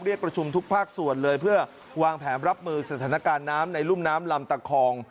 ประชุมทุกภาคส่วนเลยเพื่อวางแผนรับมือสถานการณ์น้ำในรุ่มน้ำลำตะคอง